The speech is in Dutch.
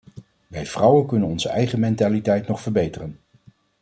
Wij vrouwen kunnen onze eigen mentaliteit nog verbeteren.